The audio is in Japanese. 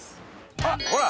あっほら！